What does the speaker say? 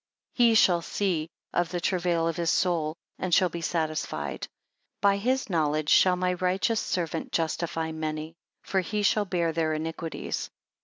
13 He shall see of the travail of his soul, and shall be satisfied: by his knowledge shall my righteous servant justify many; for he shall bear their iniquities.